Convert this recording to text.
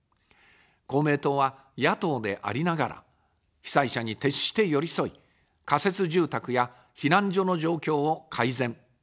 公明党は野党でありながら、被災者に徹して寄り添い、仮設住宅や避難所の状況を改善。